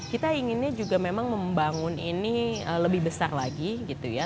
kita inginnya juga memang membangun ini lebih besar lagi gitu ya